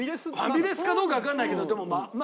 ファミレスかどうかはわからないけどでもまあ。